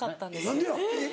何でや？